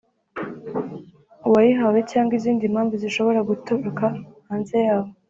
uwayihawe cyangwa izindi mpamvu zishobora guturaka hanze yabo